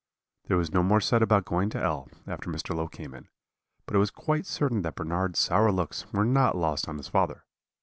"There was no more said about going to L after Mr. Low came in; but it was quite certain that Bernard's sour looks were not lost on his father.